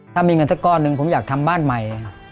ถ้ามีเงินสักก้อนหนึ่งผมอยากทำบ้านใหม่